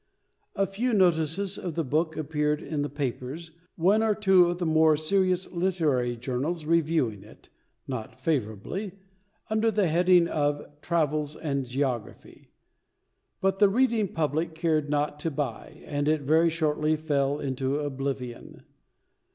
A few notices of the book appeared in the papers, one or two of the more serious literary journals reviewing it (not favourably) under the heading of "Travels and Geography"; but the reading public cared not to buy, and it very shortly fell into oblivion.